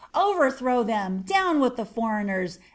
"Overthrow them! Down with the foreigners!